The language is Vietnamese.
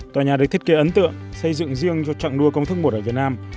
tòa nhà được thiết kế ấn tượng xây dựng riêng cho chặng đua công thức một ở việt nam